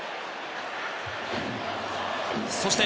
そして